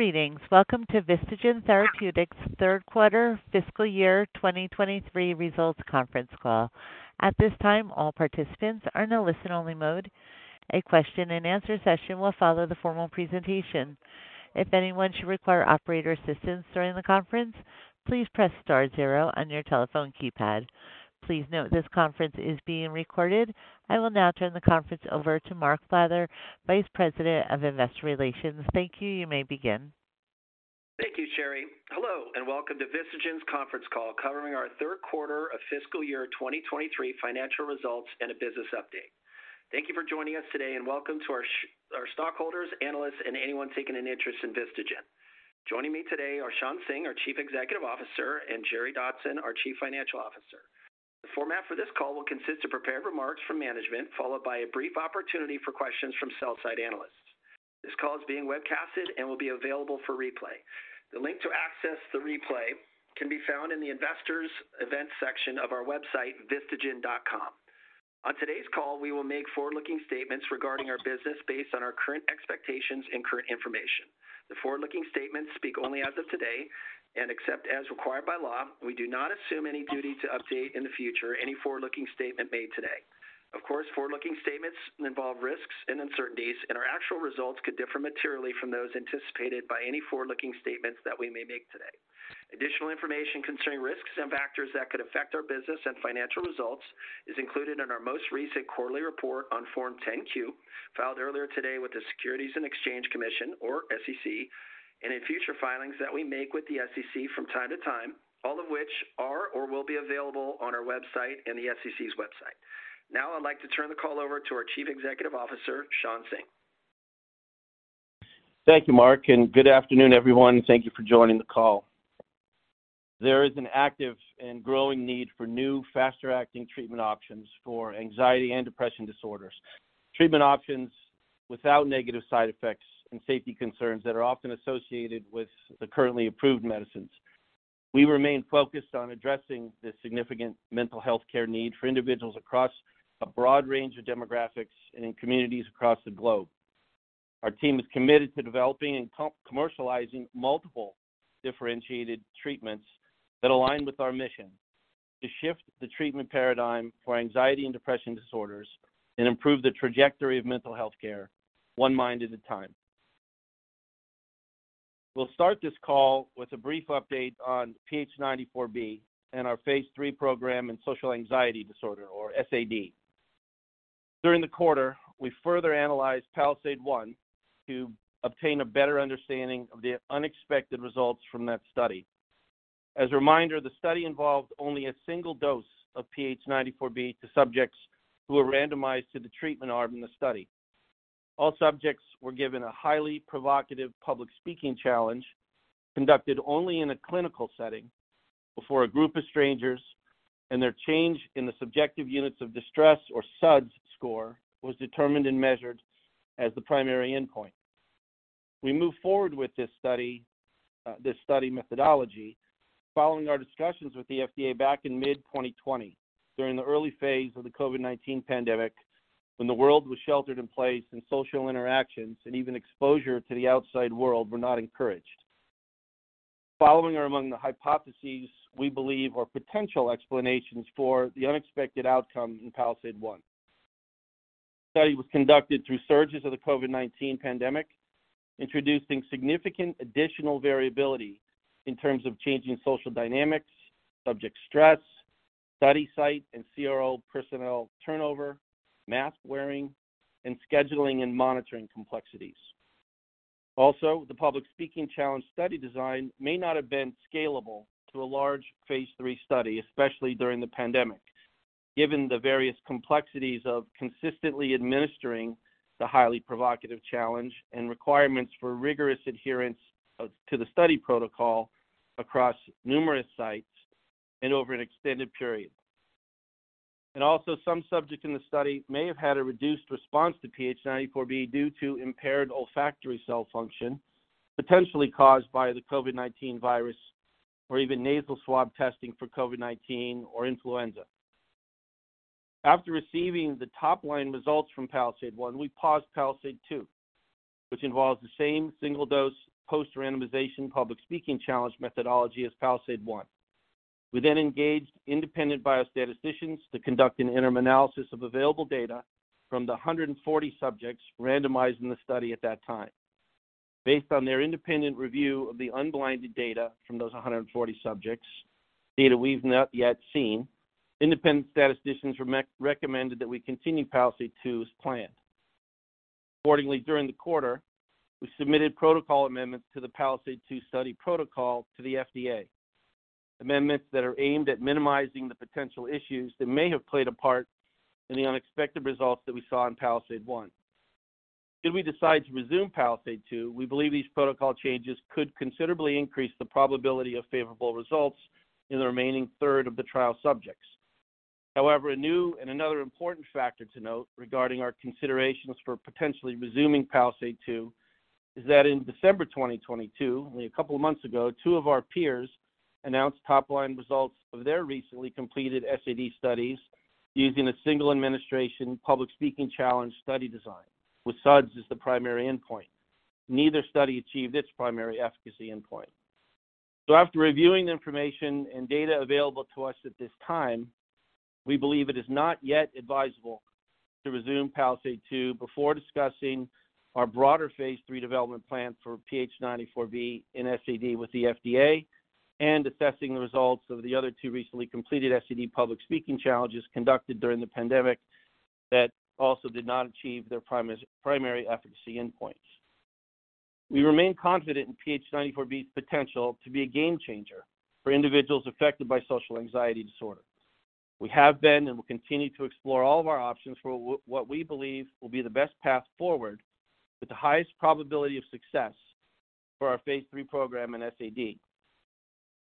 Greetings. Welcome to VistaGen Therapeutics third quarter fiscal year 2023 results conference call. At this time, all participants are in a listen-only mode. A question-and-answer session will follow the formal presentation. If anyone should require operator assistance during the conference, please press star zero on your telephone keypad. Please note this conference is being recorded. I will now turn the conference over to Mark Flather, Vice President of Investor Relations. Thank you. You may begin. Thank you, Sherry. Hello, and welcome to VistaGen's conference call covering our third quarter of fiscal year 2023 financial results and a business update. Thank you for joining us today, and welcome to our stockholders, analysts, and anyone taking an interest in VistaGen. Joining me today are Shawn Singh, our Chief Executive Officer, and Jerry Dotson, our Chief Financial Officer. The format for this call will consist of prepared remarks from management, followed by a brief opportunity for questions from sell-side analysts. This call is being webcasted and will be available for replay. The link to access the replay can be found in the Investors, Events section of our website, vistagen.com. On today's call, we will make forward-looking statements regarding our business based on our current expectations and current information. The forward-looking statements speak only as of today. Except as required by law, we do not assume any duty to update in the future any forward-looking statement made today. Of course, forward-looking statements involve risks and uncertainties, and our actual results could differ materially from those anticipated by any forward-looking statements that we may make today. Additional information concerning risks and factors that could affect our business and financial results is included in our most recent quarterly report on Form 10-Q, filed earlier today with the Securities and Exchange Commission, or SEC, and in future filings that we make with the SEC from time to time, all of which are or will be available on our website and the SEC's website. Now I'd like to turn the call over to our Chief Executive Officer, Shawn Singh. Thank you, Mark. Good afternoon, everyone. Thank you for joining the call. There is an active and growing need for new, faster-acting treatment options for anxiety and depression disorders. Treatment options without negative side effects and safety concerns that are often associated with the currently approved medicines. We remain focused on addressing the significant mental health care need for individuals across a broad range of demographics and in communities across the globe. Our team is committed to developing and commercializing multiple differentiated treatments that align with our mission to shift the treatment paradigm for anxiety and depression disorders and improve the trajectory of mental health care one mind at a time. We'll start this call with a brief update on PH94B and our phase III program in social anxiety disorder or SAD. During the quarter, we further analyzed PALISADE-1 to obtain a better understanding of the unexpected results from that study. As a reminder, the study involved only a single dose of PH94B to subjects who were randomized to the treatment arm in the study. All subjects were given a highly provocative public speaking challenge conducted only in a clinical setting before a group of strangers, and their change in the Subjective Units of Distress or SUDS score was determined and measured as the primary endpoint. We moved forward with this study, this study methodology following our discussions with the FDA back in mid-2020 during the early phase of the COVID-19 pandemic when the world was sheltered in place and social interactions and even exposure to the outside world were not encouraged. Following are among the hypotheses we believe are potential explanations for the unexpected outcome in PALISADE-1. Study was conducted through surges of the COVID-19 pandemic, introducing significant additional variability in terms of changing social dynamics, subject stress, study site and CRO personnel turnover, mask-wearing, and scheduling and monitoring complexities. The public speaking challenge study design may not have been scalable to a large phase III study, especially during the pandemic, given the various complexities of consistently administering the highly provocative challenge and requirements for rigorous adherence to the study protocol across numerous sites and over an extended period. Some subjects in the study may have had a reduced response to PH94B due to impaired olfactory cell function, potentially caused by the COVID-19 virus or even nasal swab testing for COVID-19 or influenza. After receiving the top-line results from PALISADE-1, we paused PALISADE-2, which involves the same single-dose post-randomization public speaking challenge methodology as PALISADE-1. We engaged independent biostatisticians to conduct an interim analysis of available data from the 140 subjects randomized in the study at that time. Based on their independent review of the unblinded data from those 140 subjects, data we've not yet seen, independent statisticians recommended that we continue PALISADE-2 as planned. During the quarter, we submitted protocol amendments to the PALISADE-2 study protocol to the FDA. Amendments that are aimed at minimizing the potential issues that may have played a part in the unexpected results that we saw in PALISADE-1. Should we decide to resume PALISADE-2, we believe these protocol changes could considerably increase the probability of favorable results in the remaining third of the trial subjects. A new and another important factor to note regarding our considerations for potentially resuming PALISADE-1 is that in December 2022, only a couple of months ago, two of our peers announced top-line results of their recently completed SAD studies using a single administration public speaking challenge study design with SUDS as the primary endpoint. Neither study achieved its primary efficacy endpoint. After reviewing the information and data available to us at this time, we believe it is not yet advisable to resume PALISADE-2 before discussing our broader phase III development plan for PH94B in SAD with the FDA and assessing the results of the other two recently completed SAD public speaking challenges conducted during the pandemic that also did not achieve their primary efficacy endpoints. We remain confident in PH94B's potential to be a game-changer for individuals affected by social anxiety disorder. We have been and will continue to explore all of our options for what we believe will be the best path forward with the highest probability of success for our phase III program in SAD.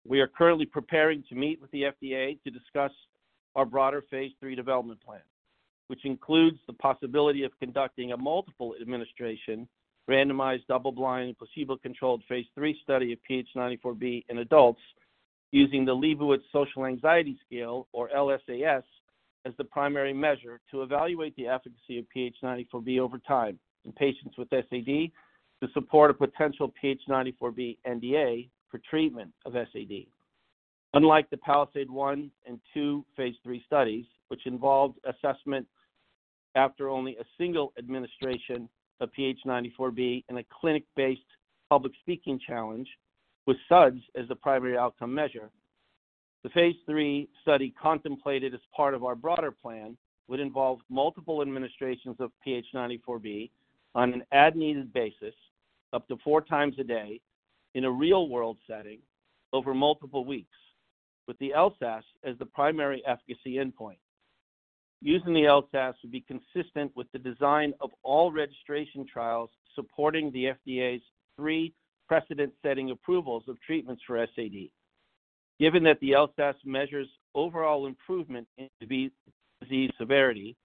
We are currently preparing to meet with the FDA to discuss our broader phase III development plan, which includes the possibility of conducting a multiple administration randomized double-blind, placebo-controlled phase III study of PH94B in adults using the Liebowitz Social Anxiety Scale, or LSAS, as the primary measure to evaluate the efficacy of PH94B over time in patients with SAD to support a potential PH94B NDA for treatment of SAD. Unlike the PALISADE-1 and -2 phase III studies, which involved assessment after only a single administration of PH94B in a clinic-based public speaking challenge with SUDS as the primary outcome measure, the phase II study contemplated as part of our broader plan would involve multiple administrations of PH94B on an as-needed basis, up to 4x a day, in a real-world setting over multiple weeks, with the LSAS as the primary efficacy endpoint. Using the LSAS would be consistent with the design of all registration trials supporting the FDA's 3 precedent-setting approvals of treatments for SAD. Given that the LSAS measures overall improvement in disease severity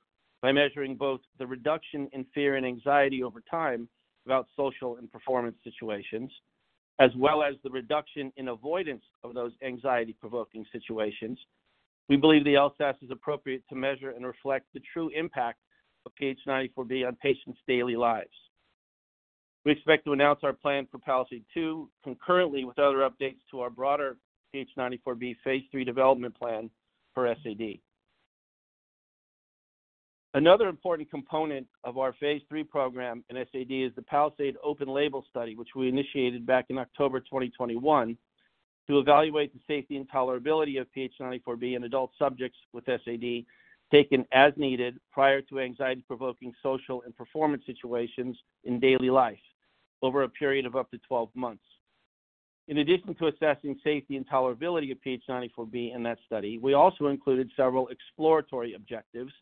by measuring both the reduction in fear and anxiety over time about social and performance situations, as well as the reduction in avoidance of those anxiety-provoking situations, we believe the LSAS is appropriate to measure and reflect the true impact of PH94B on patients' daily lives. We expect to announce our plan for PALISADE-2 concurrently with other updates to our broader PH94B phase III development plan for SAD. Another important component of our phase III program in SAD is the PALISADE open label study, which we initiated back in October 2021 to evaluate the safety and tolerability of PH94B in adult subjects with SAD taken as needed prior to anxiety-provoking social and performance situations in daily life over a period of up to 12 months. In addition to assessing safety and tolerability of PH94B in that study, we also included several exploratory objectives,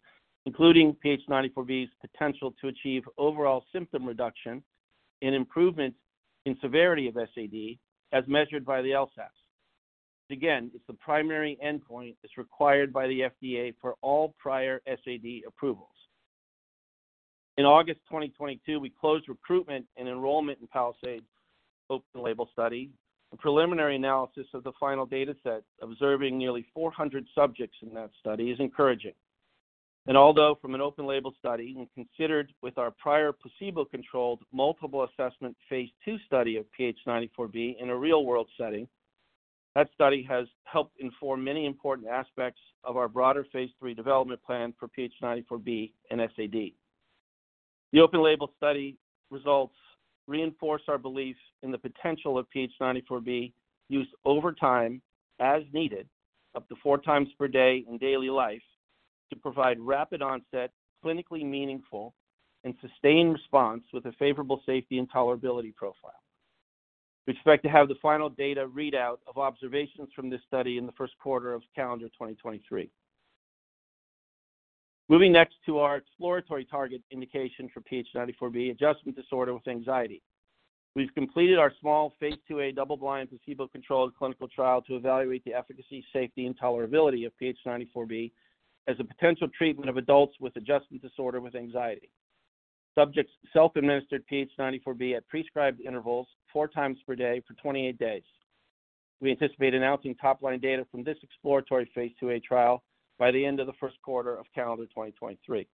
including PH94B's potential to achieve overall symptom reduction and improvement in severity of SAD as measured by the LSAS. Again, it's the primary endpoint as required by the FDA for all prior SAD approvals. In August 2022, we closed recruitment and enrollment in PALISADE open label study. A preliminary analysis of the final data set observing nearly 400 subjects in that study is encouraging. Although from an open label study when considered with our prior placebo-controlled multiple assessment phase II study of PH94B in a real-world setting, that study has helped inform many important aspects of our broader phase II development plan for PH94B and SAD. The open label study results reinforce our belief in the potential of PH94B used over time as needed, up to 4x per day in daily life, to provide rapid onset, clinically meaningful, and sustained response with a favorable safety and tolerability profile. We expect to have the final data readout of observations from this study in the first quarter of calendar 2023. Moving next to our exploratory target indication for PH94B, adjustment disorder with anxiety. We've completed our small phase IIA double-blind, placebo-controlled clinical trial to evaluate the efficacy, safety, and tolerability of PH94B as a potential treatment of adults with adjustment disorder with anxiety. Subjects self-administered PH94B at prescribed intervals 4x per day for 28 days. We anticipate announcing top-line data from this exploratory phase IIA trial by the end of the first quarter of calendar 2023.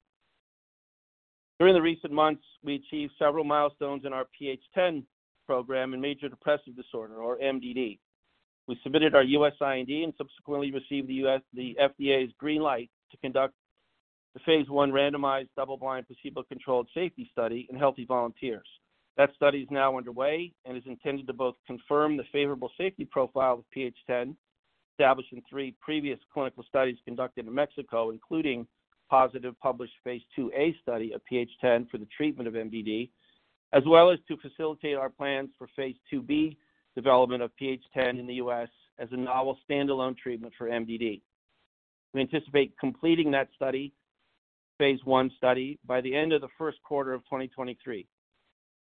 During the recent months, we achieved several milestones in our PH10 program in major depressive disorder, or MDD. We submitted our U.S. IND and subsequently received the FDA's green light to conduct the phase I randomized double-blind placebo-controlled safety study in healthy volunteers. That study is now underway and is intended to both confirm the favorable safety profile of PH10 established in three previous clinical studies conducted in Mexico, including positive published phase IIA study of PH10 for the treatment of MDD, as well as to facilitate our plans for phase IIB development of PH10 in the U.S. as a novel standalone treatment for MDD. We anticipate completing that study, phase I study, by the end of the 1st quarter of 2023.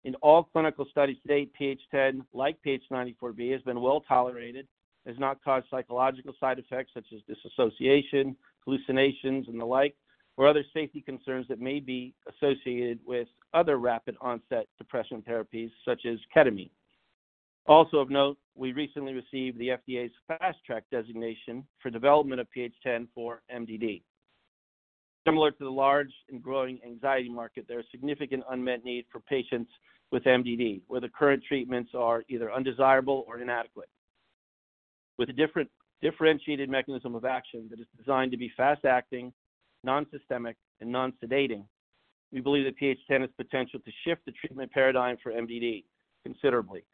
In all clinical studies to date, PH10, like PH94B, has been well-tolerated, has not caused psychological side effects such as dissociation, hallucinations, and the like, or other safety concerns that may be associated with other rapid onset depression therapies such as ketamine. Also of note, we recently received the FDA's Fast Track designation for development of PH10 for MDD. Similar to the large and growing anxiety market, there are significant unmet need for patients with MDD, where the current treatments are either undesirable or inadequate. With a differentiated mechanism of action that is designed to be fast-acting, non-systemic and non-sedating, we believe that PH10 has potential to shift the treatment paradigm for MDD considerably.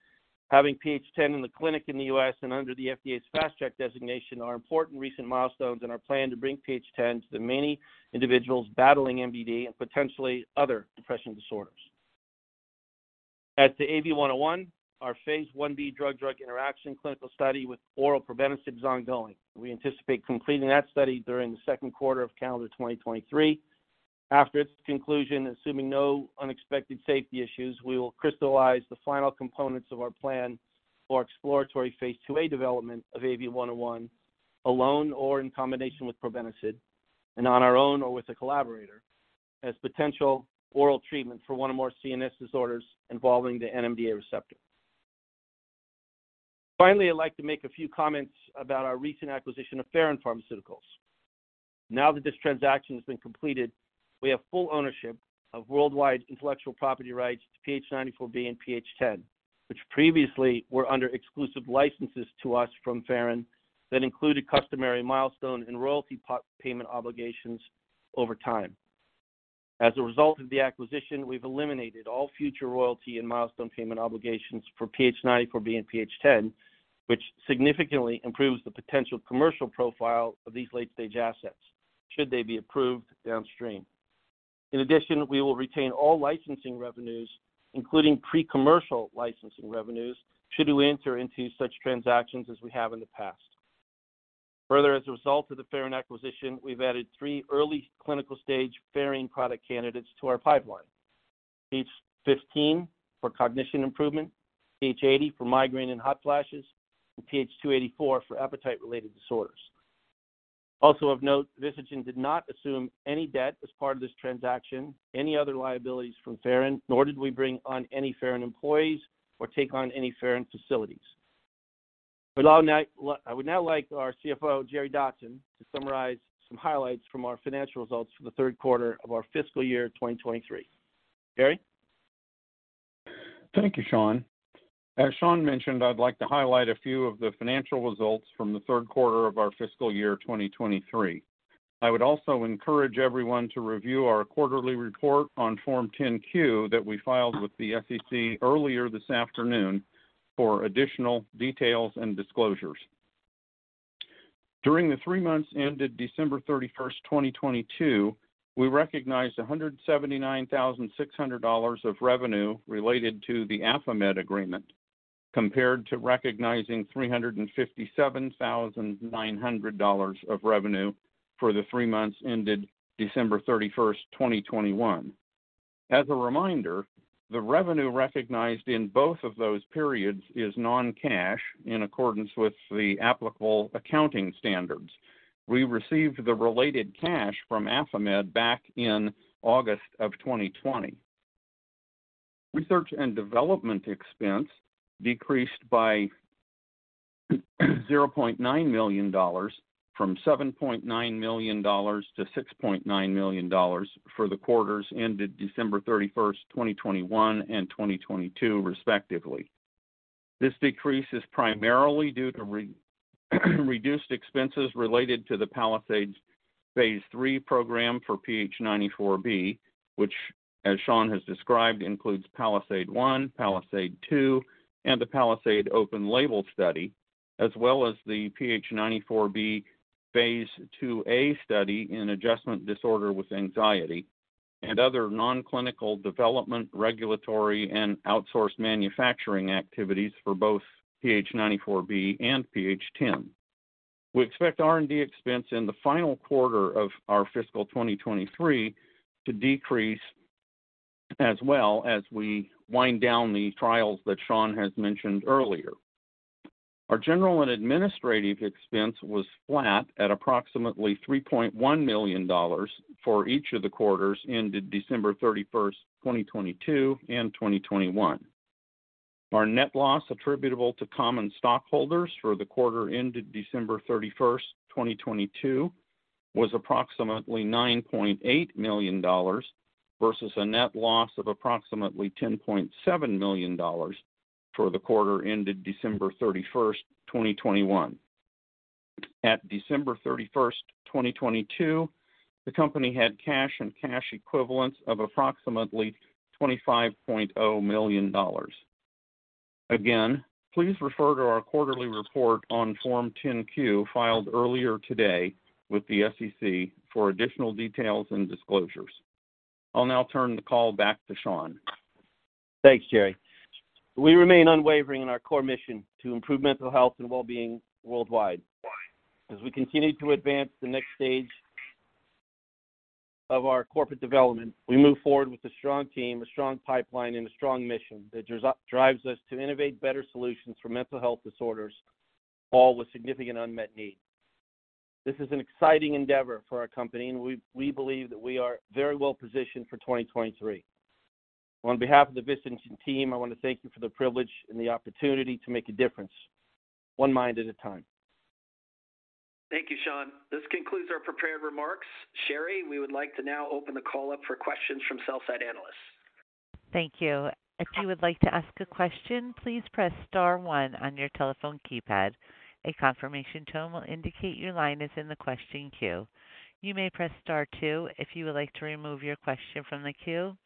Having PH10 in the clinic in the U.S. and under the FDA's Fast Track designation are important recent milestones in our plan to bring PH10 to the many individuals battling MDD and potentially other depression disorders. AV-101, our phase IB drug-drug interaction clinical study with oral probenecid is ongoing. We anticipate completing that study during the second quarter of calendar 2023. After its conclusion, assuming no unexpected safety issues, we will crystallize the final components of our plan for exploratory phase IIA development of AV-101, alone or in combination with probenecid and on our own or with a collaborator as potential oral treatment for one or more CNS disorders involving the NMDA receptor. I'd like to make a few comments about our recent acquisition of Pherin Pharmaceuticals. Now that this transaction has been completed, we have full ownership of worldwide intellectual property rights to PH94B and PH10, which previously were under exclusive licenses to us from Pherin that included customary milestone and royalty payment obligations over time. As a result of the acquisition, we've eliminated all future royalty and milestone payment obligations for PH94B and PH10, which significantly improves the potential commercial profile of these late-stage assets had they be approved downstream. In addition, we will retain all licensing revenues, including pre-commercial licensing revenues, should we enter into such transactions as we have in the past. Further, as a result of the Pherin acquisition, we've added three early clinical stage Pherin product candidates to our pipeline. PH15 for cognition improvement, PH80 for migraine and hot flashes, and PH284 for appetite related disorders. Of note, VistaGen did not assume any debt as part of this transaction, any other liabilities from Pherin, nor did we bring on any Pherin employees or take on any Pherin facilities. I would now like our CFO, Jerry Dotson, to summarize some highlights from our financial results for the third quarter of our fiscal year 2023. Jerry. Thank you, Sean. As Sean mentioned, I'd like to highlight a few of the financial results from the third quarter of our fiscal year 2023. I would also encourage everyone to review our quarterly report on Form 10-Q that we filed with the SEC earlier this afternoon for additional details and disclosures. During the three months ended December 31, 2022, we recognized $179,600 of revenue related to the AffaMed agreement, compared to recognizing $357,900 of revenue for the three months ended December 31, 2021. As a reminder, the revenue recognized in both of those periods is non-cash in accordance with the applicable accounting standards. We received the related cash from AffaMed back in August 2020. Research and development expense decreased by $0.9 million from $7.9 million-$6.9 million for the quarters ended December 31, 2021 and 2022, respectively. This decrease is primarily due to reduced expenses related to the PALISADE phase III program for PH94B, which, as Sean has described, includes PALISADE-1, PALISADE-2, and the PALISADE open label study, as well as the PH94B phase IIA study in adjustment disorder with anxiety and other non-clinical development, regulatory, and outsourced manufacturing activities for both PH94B and PH10. We expect R&D expense in the final quarter of our fiscal 2023 to decrease as well as we wind down the trials that Sean has mentioned earlier. Our general and administrative expense was flat at approximately $3.1 million for each of the quarters ended December 31, 2022 and 2021. Our net loss attributable to common stockholders for the quarter ended December 31, 2022, was approximately $9.8 million versus a net loss of approximately $10.7 million for the quarter ended December 31, 2021. At December 31, 2022, the company had cash and cash equivalents of approximately $25.0 million. Again, please refer to our quarterly report on Form 10-Q filed earlier today with the SEC for additional details and disclosures. I'll now turn the call back to Shawn. Thanks, Jerry. We remain unwavering in our core mission to improve mental health and well-being worldwide. As we continue to advance the next stage of our corporate development, we move forward with a strong team, a strong pipeline, and a strong mission that drives us to innovate better solutions for mental health disorders, all with significant unmet need. This is an exciting endeavor for our company, and we believe that we are very well positioned for 2023. On behalf of the VistaGen team, I want to thank you for the privilege and the opportunity to make a difference one mind at a time. Thank you, Sean. This concludes our prepared remarks. Sherry, we would like to now open the call up for questions from sell-side analysts. Thank you. If you would like to ask a question, please press star one on your telephone keypad. A confirmation tone will indicate your line is in the question queue. You may press star two if you would like to remove your question from the queue.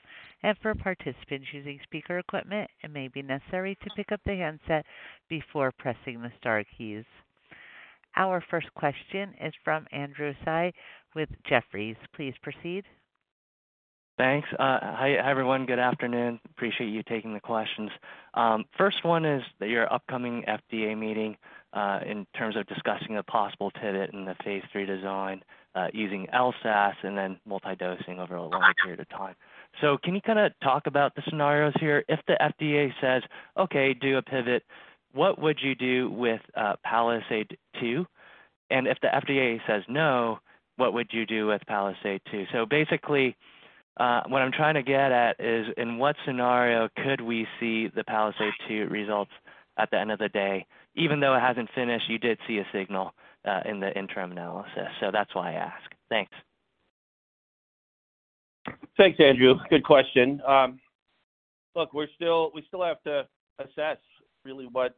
For participants using speaker equipment, it may be necessary to pick up the handset before pressing the star keys. Our first question is from Andrew Tsai with Jefferies. Please proceed. Thanks. Hi, everyone. Good afternoon. Appreciate you taking the questions. First one is your upcoming FDA meeting in terms of discussing a possible pivot in the phase III design, using LSAS and then multi-dosing over a longer period of time. Can you kind of talk about the scenarios here? If the FDA says, "Okay, do a pivot," what would you do with PALISADE-II? If the FDA says, no, what would you do with PALISADE-II? Basically, what I'm trying to get at is, in what scenario could we see the PALISADE-II results at the end of the day? Even though it hasn't finished, you did see a signal in the interim analysis. That's why I ask. Thanks. Thanks, Andrew. Good question. look, we still have to assess really what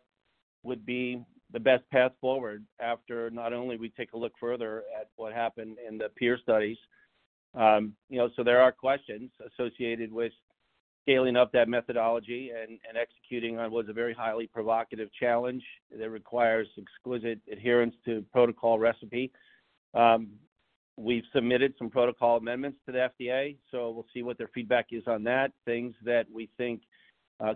would be the best path forward after not only we take a look further at what happened in the peer studies. you know, there are questions associated with scaling up that methodology and executing on what is a very highly provocative challenge that requires exquisite adherence to protocol recipe. We've submitted some protocol amendments to the FDA, we'll see what their feedback is on that. Things that we think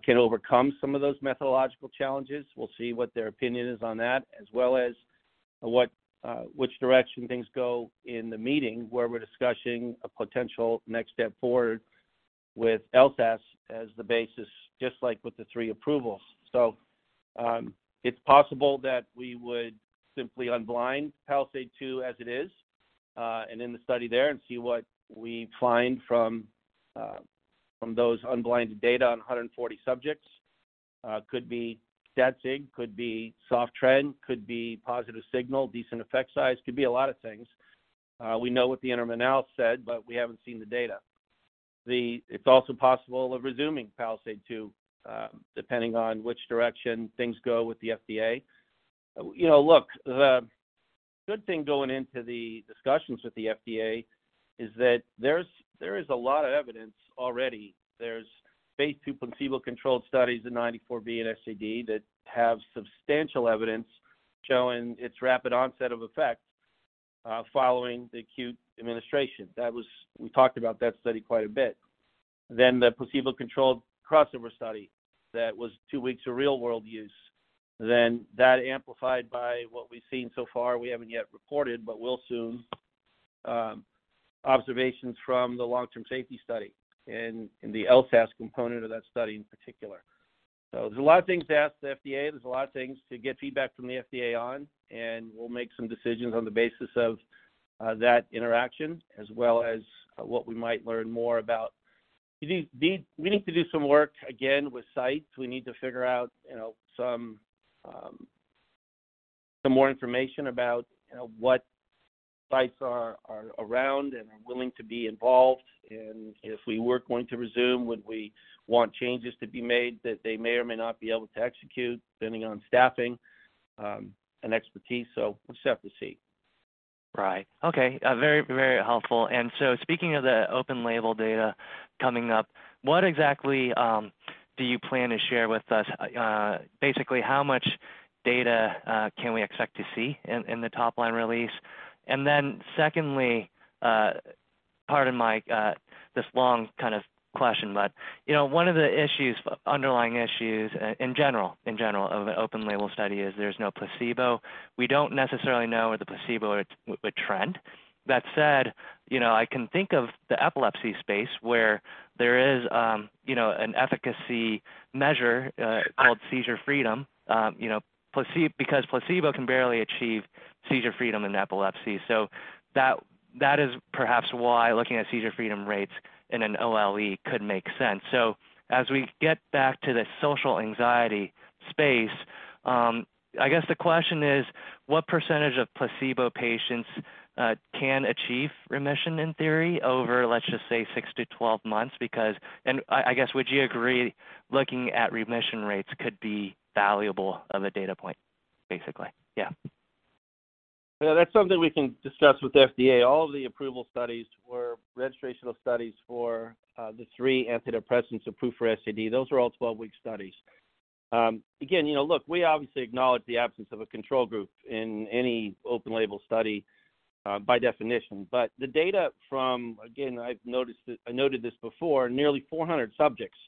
can overcome some of those methodological challenges. We'll see what their opinion is on that, as well as which direction things go in the meeting where we're discussing a potential next step forward with LSAS as the basis, just like with the 3 approvals. It's possible that we would simply unblind PALISADE-2 as it is and end the study there and see what we find from those unblinded data on 140 subjects. Could be stat sig, could be soft trend, could be positive signal, decent effect size, could be a lot of things. We know what the interim analysis said, but we haven't seen the data. It's also possible of resuming PALISADE-2, depending on which direction things go with the FDA. You know, look, the good thing going into the discussions with the FDA is that there is a lot of evidence already. There's phase II placebo-controlled studies in PH94B and SAD that have substantial evidence showing its rapid onset of effect following the acute administration. We talked about that study quite a bit. The placebo-controlled crossover study that was two weeks of real-world use. That amplified by what we've seen so far, we haven't yet reported, but will soon, observations from the long-term safety study and the LSAS component of that study in particular. There's a lot of things to ask the FDA, there's a lot of things to get feedback from the FDA on, and we'll make some decisions on the basis of that interaction as well as what we might learn more about. We need to do some work again with sites. We need to figure out, you know, some more information about, you know, what sites are around and are willing to be involved. If we were going to resume, would we want changes to be made that they may or may not be able to execute depending on staffing, and expertise? We'll just have to see. Right. Okay. very, very helpful. Speaking of the open label data coming up, what exactly do you plan to share with us? Basically, how much data can we expect to see in the top line release? Secondly, pardon my this long kind of question, but, you know, one of the issues, underlying issues in general of an open label study is there's no placebo. We don't necessarily know where the placebo would trend. That said, you know, I can think of the epilepsy space where there is, you know, an efficacy measure called seizure freedom. You know, because placebo can barely achieve seizure freedom in epilepsy. That is perhaps why looking at seizure freedom rates in an OLE could make sense. As we get back to the social anxiety space, I guess the question is what percentage of placebo patients can achieve remission in theory over, let's just say, 6-12 months? I guess, would you agree, looking at remission rates could be valuable of a data point, basically? Yeah. Yeah, that's something we can discuss with the FDA. All of the approval studies were registrational studies for, the three antidepressants approved for SAD. Those were all 12-week studies. Again, you know, look, we obviously acknowledge the absence of a control group in any open label study, by definition. The data from, again, I noted this before, nearly 400 subjects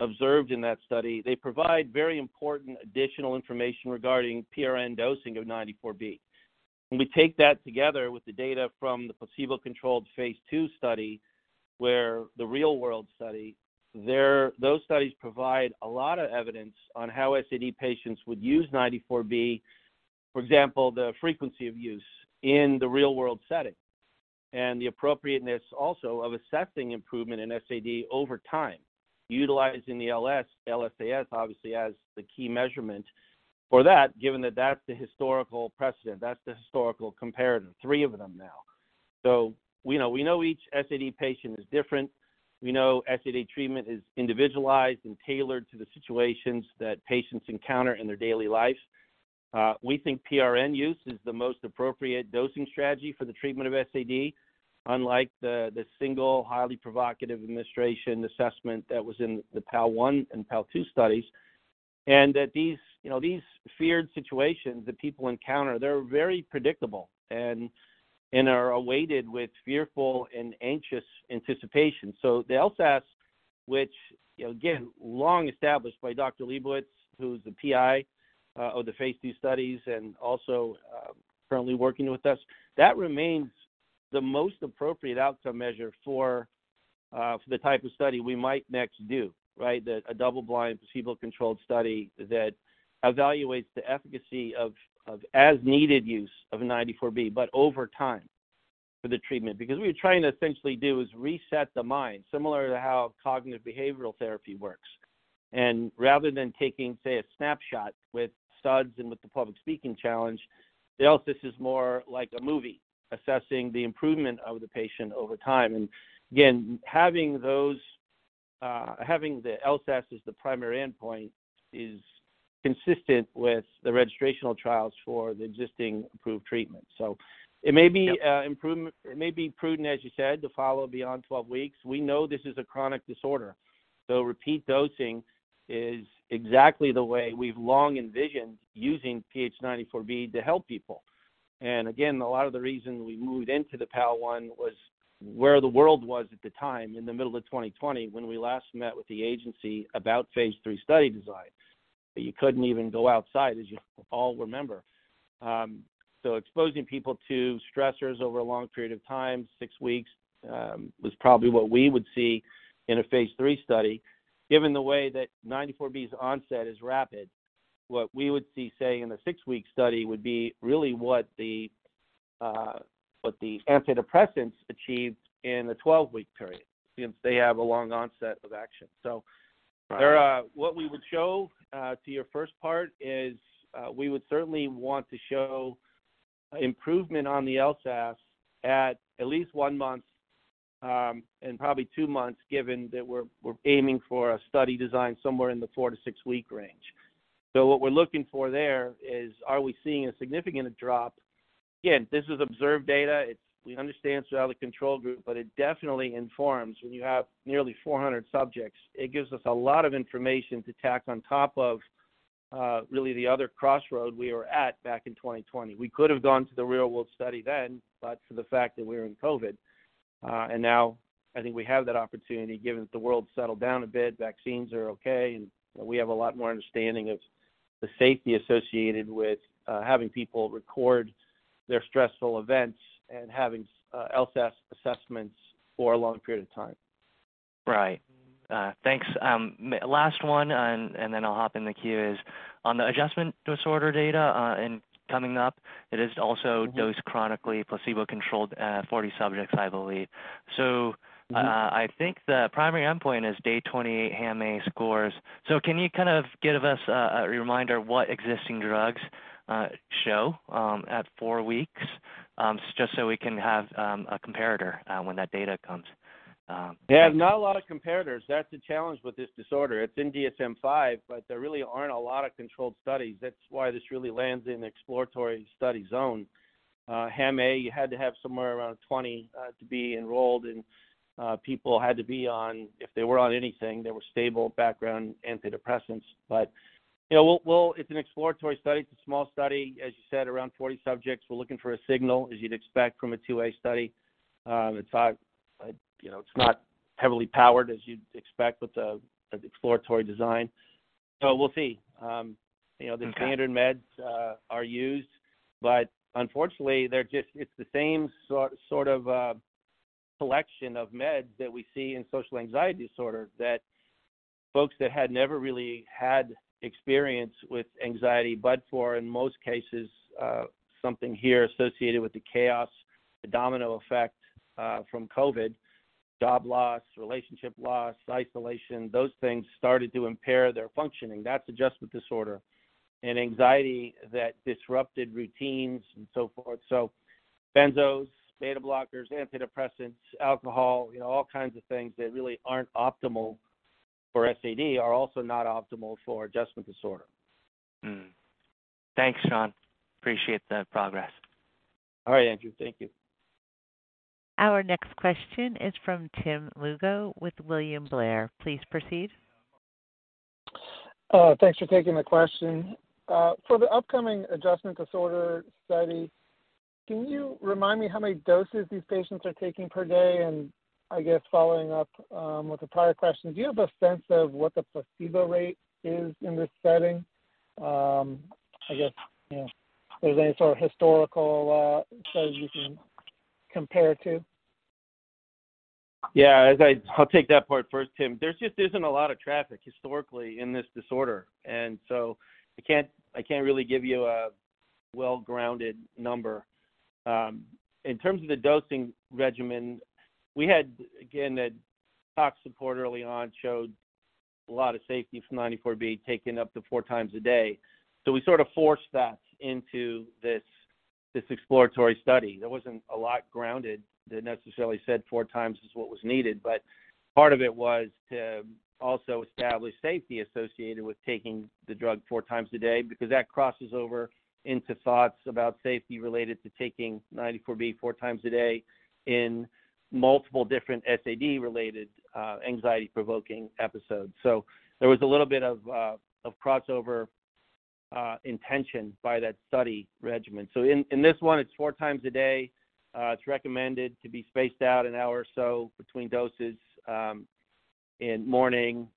observed in that study. They provide very important additional information regarding PRN dosing of 94B. When we take that together with the data from the placebo-controlled phase II studyWhere the real world study, those studies provide a lot of evidence on how SAD patients would use 94B. For example, the frequency of use in the real-world setting and the appropriateness also of assessing improvement in SAD over time, utilizing the LSAS obviously as the key measurement for that, given that that's the historical precedent, that's the historical comparative, three of them now. We know each SAD patient is different. We know SAD treatment is individualized and tailored to the situations that patients encounter in their daily lives. We think PRN use is the most appropriate dosing strategy for the treatment of SAD. Unlike the single highly provocative administration assessment that was in the PAL 1 and PAL 2 studies. These, you know, these feared situations that people encounter, they're very predictable and are awaited with fearful and anxious anticipation. The LSAS which, you know, again, long established by Dr. Liebowitz, who's the PI of the phase II studies and also currently working with us, that remains the most appropriate outcome measure for the type of study we might next do, right? That a double-blind, placebo-controlled study that evaluates the efficacy of as needed use of 94B but over time for the treatment. What we're trying to essentially do is reset the mind, similar to how cognitive behavioral therapy works. Rather than taking, say, a snapshot with SUDS and with the public speaking challenge, the LSAS is more like a movie assessing the improvement of the patient over time. Again, having those, having the LSAS as the primary endpoint is consistent with the registrational trials for the existing approved treatment. It may be prudent, as you said, to follow beyond 12 weeks. We know this is a chronic disorder, so repeat dosing is exactly the way we've long envisioned using PH94B to help people. A lot of the reason we moved into the PAL one was where the world was at the time in the middle of 2020 when we last met with the agency about phase II study design, that you couldn't even go outside, as you all remember. Exposing people to stressors over a long period of time, six weeks, was probably what we would see in a phase II study. Given the way that PH94B's onset is rapid, what we would see, say, in a six-week study would be really what the, what the antidepressants achieved in the 12-week period, since they have a long onset of action. There, what we would show, to your first part is, we would certainly want to show improvement on the LSAS at least one month, and probably two months, given that we're aiming for a study design somewhere in the four to six week range. What we're looking for there is, are we seeing a significant drop? Again, this is observed data. It's. We understand it's not a control group, but it definitely informs when you have nearly 400 subjects. It gives us a lot of information to tack on top of, really the other crossroad we were at back in 2020. We could have gone to the real world study then, for the fact that we were in COVID. Now I think we have that opportunity given that the world settled down a bit, vaccines are okay, and we have a lot more understanding of the safety associated with having people record their stressful events and having LSAS assessments for a long period of time. Right. thanks. Last one and then I'll hop in the queue is on the adjustment disorder data, and coming up, it is also dosed chronically, placebo-controlled, 40 subjects, I believe. Mm-hmm. I think the primary endpoint is day 28 HAM-A scores. Can you kind of give us a reminder what existing drugs show at four weeks? Just so we can have a comparator when that data comes. Yeah. Not a lot of comparators. That's a challenge with this disorder. It's in DSM-5, but there really aren't a lot of controlled studies. That's why this really lands in the exploratory study zone. HAM-A, you had to have somewhere around 20 to be enrolled, and people had to be on if they were on anything, they were stable background antidepressants. You know, it's an exploratory study. It's a small study, as you said, around 40 subjects. We're looking for a signal, as you'd expect from a two-way study. It's not, you know, it's not heavily powered as you'd expect with the exploratory design. We'll see. You know. Okay. The standard meds are used, unfortunately, it's the same sort of collection of meds that we see in social anxiety disorder that folks that had never really had experience with anxiety, but for in most cases, something here associated with the chaos, the domino effect, from COVID, job loss, relationship loss, isolation, those things started to impair their functioning. That's adjustment disorder and anxiety that disrupted routines and so forth. Benzos, beta blockers, antidepressants, alcohol, you know, all kinds of things that really aren't optimal for SAD are also not optimal for adjustment disorder. Mm-hmm. Thanks, Shawn. Appreciate the progress. All right, Andrew. Thank you. Our next question is from Tim Lugo with William Blair. Please proceed. Thanks for taking the question. For the upcoming adjustment disorder study, can you remind me how many doses these patients are taking per day? I guess following up with the prior question, do you have a sense of what the placebo rate is in this setting? I guess, you know, if there's any sort of historical studies you can compare to. I'll take that part first, Tim. There just isn't a lot of traffic historically in this disorder, I can't really give you a well-grounded number. In terms of the dosing regimen, we had, again, that tox support early on showed a lot of safety from PH94B, taken up to 4x a day. We sort of forced that into this exploratory study. There wasn't a lot grounded that necessarily said 4x is what was needed, but part of it was to also establish safety associated with taking the drug 4x a day, because that crosses over into thoughts about safety related to taking PH94B 4x a day in multiple different SAD-related, anxiety-provoking episodes. There was a little bit of crossover intention by that study regimen. In this one, it's 4x a day. It's recommended to be spaced out an hour or so between doses, in morning,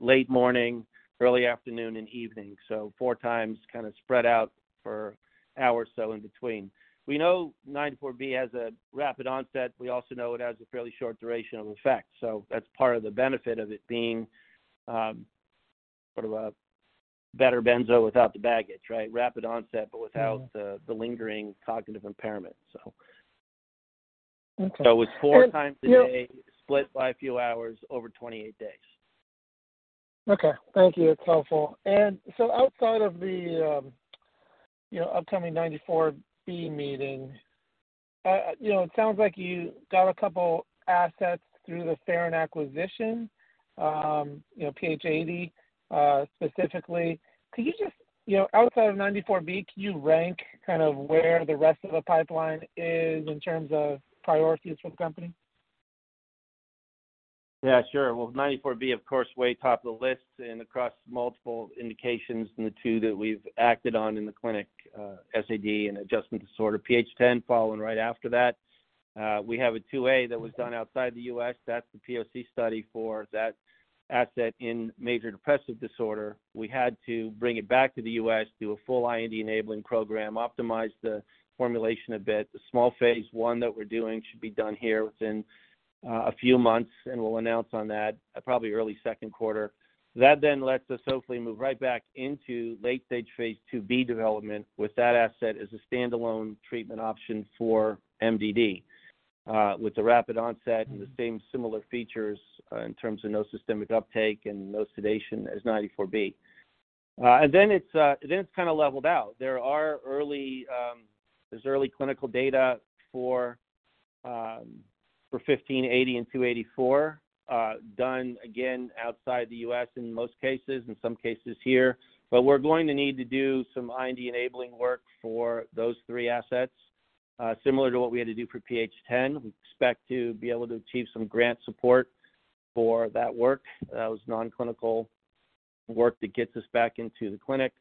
late morning, early afternoon, and evening. 4x kind of spread out for an hour or so in between. We know 94B has a rapid onset. We also know it has a fairly short duration of effect. That's part of the benefit of it being, sort of a better benzo without the baggage, right? Rapid onset, but without the lingering cognitive impairment. So. Okay. It's 4x a day, split by a few hours, over 28 days. Okay. Thank you. It's helpful. Outside of the, you know, upcoming PH94B meeting, you know, it sounds like you got a couple assets through the Pherin acquisition, you know, PH80, specifically. Could you just, you know, outside of PH94B, can you rank kind of where the rest of the pipeline is in terms of priorities for the company? Yeah, sure. Well, 94B, of course, way top of the list and across multiple indications in the two that we've acted on in the clinic, SAD and adjustment disorder, PH10 following right after that. We have a 2A that was done outside the U.S. That's the POC study for that asset in major depressive disorder. We had to bring it back to the U.S., do a full IND enabling program, optimize the formulation a bit. The small phase I that we're doing should be done here within a few months, and we'll announce on that probably early second quarter. That lets us hopefully move right back into late stage phase IIB development with that asset as a standalone treatment option for MDD, with the rapid onset and the same similar features, in terms of no systemic uptake and no sedation as 94B. Then it's, then it's kind of leveled out. There are early, there's early clinical data for 15 80 and 284, done again outside the U.S. in most cases, in some cases here. We're going to need to do some IND enabling work for those three assets, similar to what we had to do for PH10. We expect to be able to achieve some grant support for that work. That was non-clinical work that gets us back into the clinic.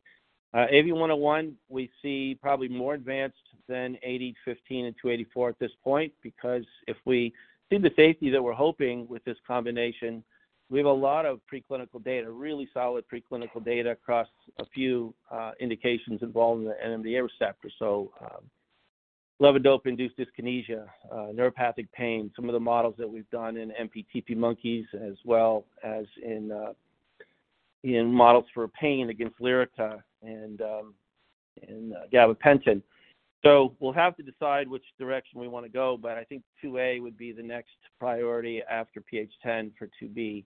AV-101, we see probably more advanced than PH80, PH15, and PH284 at this point, because if we see the safety that we're hoping with this combination, we have a lot of preclinical data, really solid preclinical data across a few indications involved in the NMDA receptor. levodopa-induced dyskinesia, neuropathic pain, some of the models that we've done in MPTP monkeys, as well as in models for pain against Lyrica and gabapentin. We'll have to decide which direction we wanna go, but I think 2A would be the next priority after PH10 for 2B,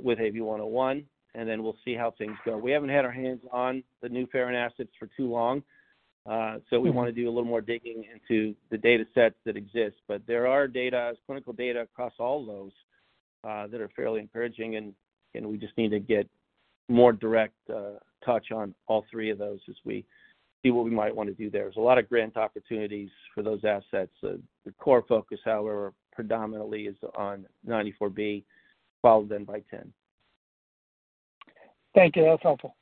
with AV-101, and then we'll see how things go. We haven't had our hands on the new Pherin assets for too long, so we wanna do a little more digging into the datasets that exist. There are data, clinical data across all of those that are fairly encouraging, and we just need to get more direct touch on all three of those as we see what we might wanna do there. There's a lot of grant opportunities for those assets. The core focus, however, predominantly is on 94B, followed then by 10. Thank you. That's helpful.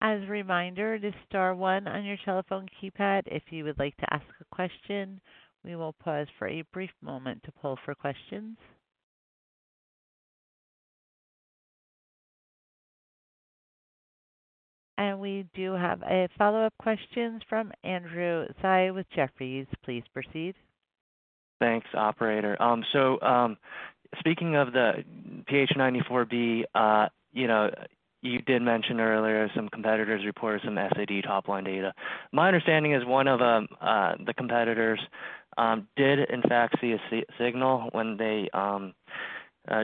As a reminder, just star one on your telephone keypad if you would like to ask a question. We will pause for a brief moment to poll for questions. We do have a follow-up question from Andrew Tsai with Jefferies. Please proceed. Thanks, operator. Speaking of the PH94B, you know, you did mention earlier some competitors reported some SAD top line data. My understanding is one of them, the competitors, did in fact see a signal when they,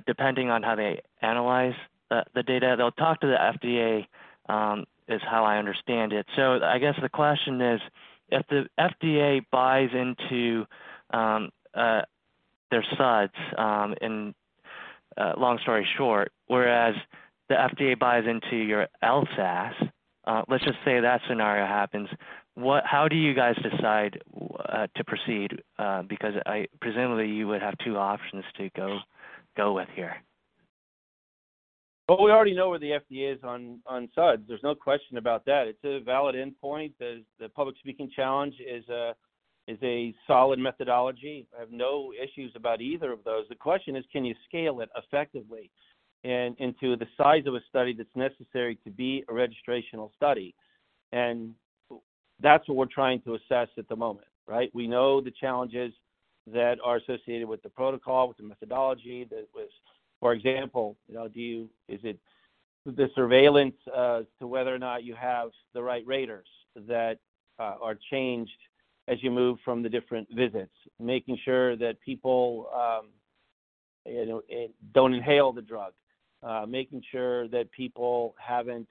depending on how they analyze the data, they'll talk to the FDA, is how I understand it. I guess the question is, if the FDA buys into their SUDS, long story short, whereas the FDA buys into your LSAS, let's just say that scenario happens. How do you guys decide to proceed? Because presumably you would have two options to go with here. Well, we already know where the FDA is on SUDS. There's no question about that. It's a valid endpoint. The public speaking challenge is a solid methodology. I have no issues about either of those. The question is, can you scale it effectively and into the size of a study that's necessary to be a registrational study? That's what we're trying to assess at the moment, right? We know the challenges that are associated with the protocol, with the methodology. That was, for example, you know, is it the surveillance to whether or not you have the right raters that are changed as you move from the different visits, making sure that people, you know, don't inhale the drug. Making sure that people haven't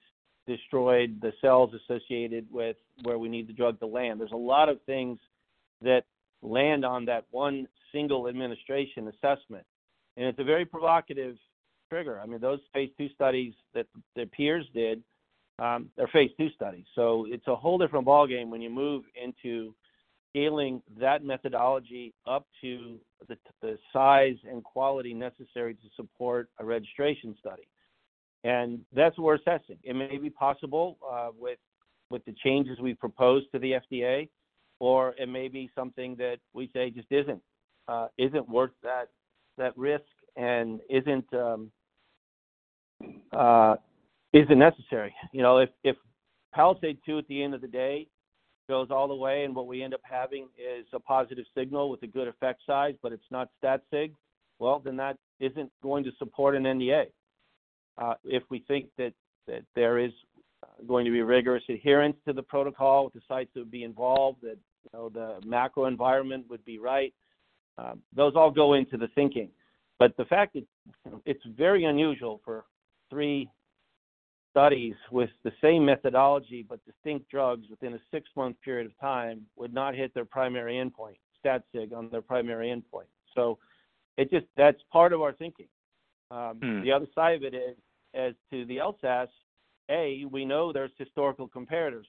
destroyed the cells associated with where we need the drug to land. There's a lot of things that land on that one single administration assessment, and it's a very provocative trigger. I mean, those phase II studies that Pherin did are phase II studies. It's a whole different ballgame when you move into scaling that methodology up to the size and quality necessary to support a registration study. That's what we're assessing. It may be possible with the changes we've proposed to the FDA, or it may be something that we say just isn't worth that risk and isn't necessary. You know, if PALISADE-2, at the end of the day, goes all the way and what we end up having is a positive signal with a good effect size, but it's not stat sig, well, then that isn't going to support an NDA. If we think that there is going to be rigorous adherence to the protocol, the sites that would be involved, that, you know, the macro environment would be right, those all go into the thinking. The fact that it's very unusual for 3 studies with the same methodology, but distinct drugs within a 6-month period of time would not hit their primary endpoint, stat sig on their primary endpoint. That's part of our thinking. The other side of it is, as to the LSAS, A, we know there's historical comparators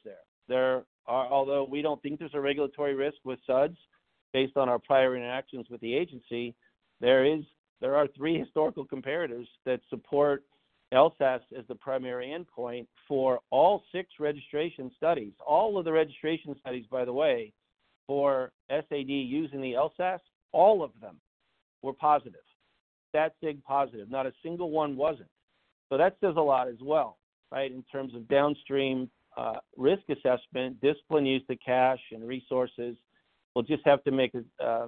there. Although we don't think there's a regulatory risk with SUDS based on our prior interactions with the agency, there are three historical comparators that support LSAS as the primary endpoint for all six registration studies. All of the registration studies, by the way, for SAD using the LSAS, all of them were positive, stat sig positive. Not a single one wasn't. That says a lot as well, right? In terms of downstream, risk assessment, discipline used to cash and resources. We'll just have to make a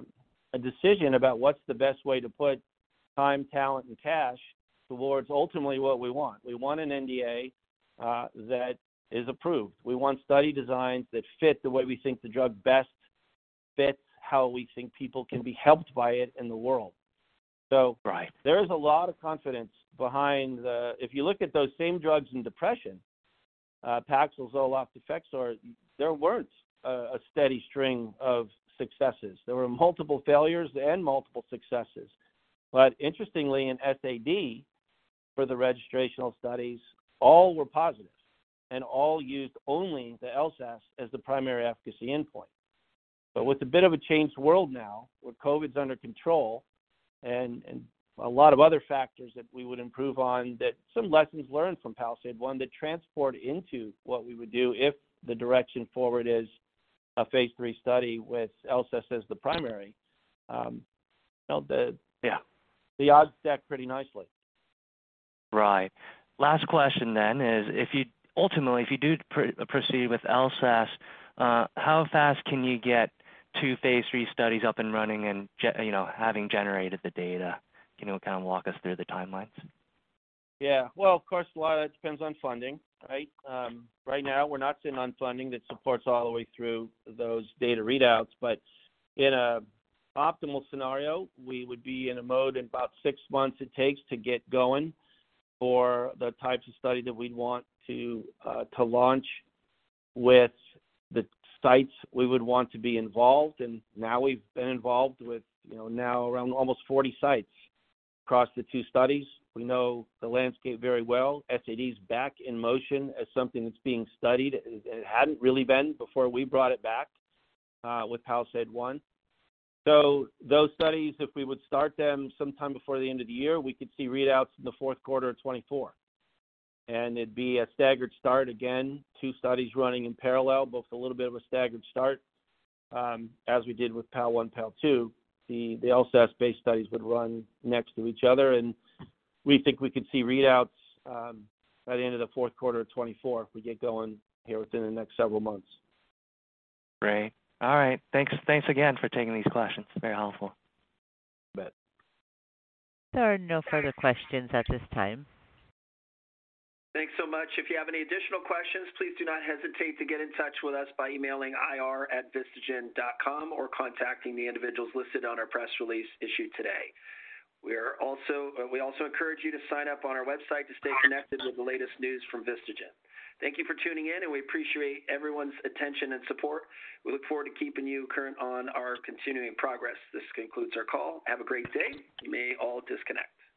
decision about what's the best way to put time, talent, and cash towards ultimately what we want. We want an NDA that is approved. We want study designs that fit the way we think the drug best fits how we think people can be helped by it in the world. Right. There is a lot of confidence behind the. If you look at those same drugs in depression, Paxil, Zoloft, Effexor, there weren't a steady string of successes. There were multiple failures and multiple successes. Interestingly, in SAD, for the registrational studies, all were positive and all used only the LSAS as the primary efficacy endpoint. With a bit of a changed world now, where COVID's under control and a lot of other factors that we would improve on, that some lessons learned from PALISADE-1 that transport into what we would do if the direction forward is a phase III study with LSAS as the primary. you know, the. Yeah. The odds stack pretty nicely. Right. Last question then is if you ultimately, if you do proceed with LSAS, how fast can you get two phase III studies up and running and you know, having generated the data? Can you kind of walk us through the timelines? Yeah. Well, of course, a lot of that depends on funding, right? Right now, we're not sitting on funding that supports all the way through those data readouts. In a optimal scenario, we would be in a mode in about six months it takes to get going for the types of study that we'd want to launch with the sites we would want to be involved. Now we've been involved with, you know, now around almost 40 sites across the two studies. We know the landscape very well. SAD is back in motion as something that's being studied. It hadn't really been before we brought it back with PALISADE-1. Those studies, if we would start them sometime before the end of the year, we could see readouts in the fourth quarter of 2024. It'd be a staggered start. Two studies running in parallel, both a little bit of a staggered start, as we did with PAL-1, PAL-2. The LSAS-based studies would run next to each other. We think we could see readouts, by the end of the fourth quarter of 2024 if we get going here within the next several months. Great. All right. Thanks again for taking these questions. Very helpful. You bet. There are no further questions at this time. Thanks so much. If you have any additional questions, please do not hesitate to get in touch with us by emailing ir@vistagen.com or contacting the individuals listed on our press release issued today. We also encourage you to sign up on our website to stay connected with the latest news from VistaGen. Thank you for tuning in. We appreciate everyone's attention and support. We look forward to keeping you current on our continuing progress. This concludes our call. Have a great day. You may all disconnect